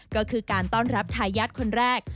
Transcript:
ก็คือการต้อนรับทายาทคนแรก